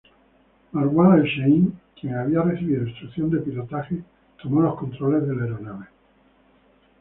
Marwan al-Shehhi, quien había recibido instrucción de pilotaje, tomó los controles de la aeronave.